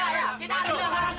kita ajar rangga